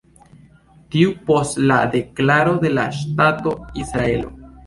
Tuj post la deklaro de la ŝtato Israelo.